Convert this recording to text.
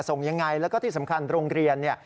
ส่งยังไงแล้วก็ที่สำคัญโรงเรียนเนี่ย